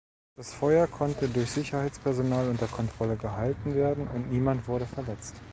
Das Feuer konnte durch Sicherheitspersonal unter Kontrolle gehalten werden und niemand wurde verletzt.